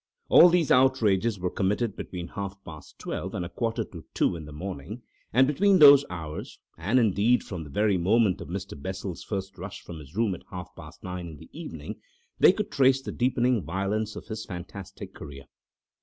All these outrages were committed between half past twelve and a quarter to two in the morning, and between those hours—and, indeed, from the very moment of Mr. Bessel's first rush from his rooms at half past nine in the evening—they could trace the deepening violence of his fantastic career.